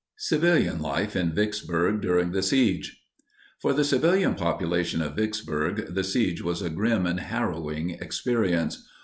CIVILIAN LIFE IN VICKSBURG DURING THE SIEGE. For the civilian population of Vicksburg, the siege was a grim and harrowing experience.